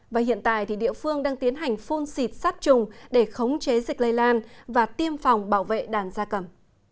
và hiện tại thì địa phương đang tiến hành phun xịt sát trùng để khống chế dịch lây lan và tiêm phòng bảo vệ đàn da cầm